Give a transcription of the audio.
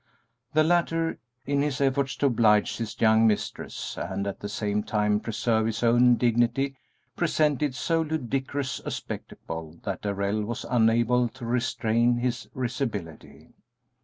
The latter, in his efforts to oblige his young mistress and at the same time preserve his own dignity, presented so ludicrous a spectacle that Darrell was unable to restrain his risibility.